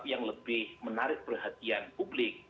yang lebih menarik perhatian publik